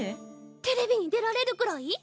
テレビに出られるくらい？